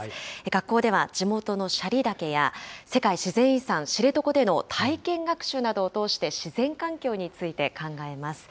学校では、地元の斜里岳や世界自然遺産、知床での体験学習などを通して、自然環境について考えます。